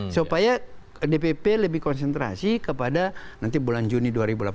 supaya dpp lebih konsentrasi kepada nanti bulan juni dua ribu delapan belas